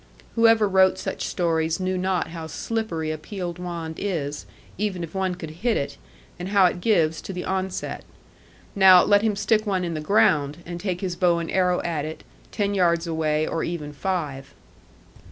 Whoever wrote such stories knew not how slippery a peeled wand is, even if one could hit it, and how it gives to the onset. Now, let him stick one in the ground, and take his bow and arrow at it, ten yards away, or even five.